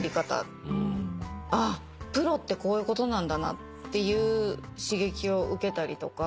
あっプロってこういうことなんだなっていう刺激を受けたりとか。